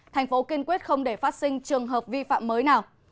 thành phố kiên quyết không để phát sinh trường hợp vi phạm mới nào